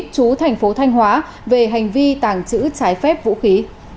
chú thành phố thanh hóa về hành vi tàng trữ trái phép vũ khí